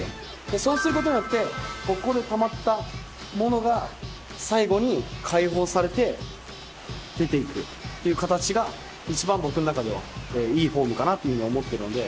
そうすることによってここでたまったものが最後に開放されて出ていくっていう形が一番僕の中ではいいフォームかなと思ってるので。